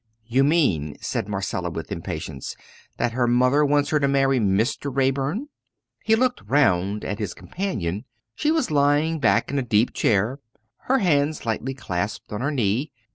"You mean," said Marcella, with impatience "that her mother wants her to marry Mr. Raeburn?" He looked round at his companion. She was lying back in a deep chair, her hands lightly clasped on her knee.